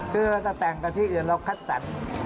คือแตกต่างจากที่อื่นเราคัดสรร